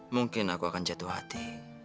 mungkin aku akan jatuh hati